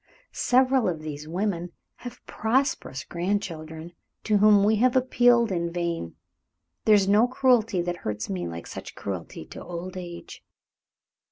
Several of these women have prosperous grandchildren, to whom we have appealed in vain. There is no cruelty that hurts me like such cruelty to old age."